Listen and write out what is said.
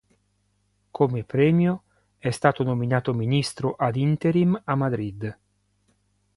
Come premio è stato nominato ministro ad "interim" a Madrid.